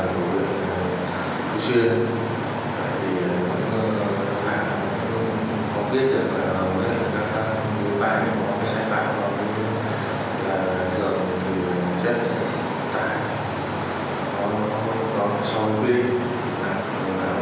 đưa ra một số cái sai phạm của doanh nghiệp và sau đó thì xin tiền cho các doanh nghiệp